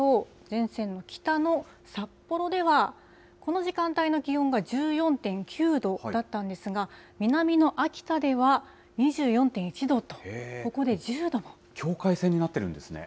前線の北の札幌では、この時間帯の気温が１４．９度だったんですが、南の秋田では２４．１度と、境界線になってるんですね。